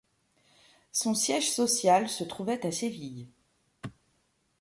Son siège social se trouvait à Séville.